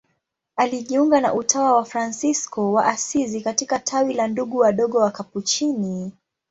Alijiunga na utawa wa Fransisko wa Asizi katika tawi la Ndugu Wadogo Wakapuchini.